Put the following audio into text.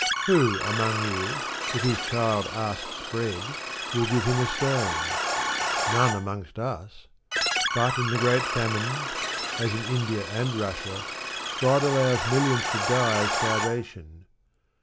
"Who among you, if his child asks bread, will give him a stone?" None amongst us. But in the great famines, as in India and Russia, God allows millions to die of starvation.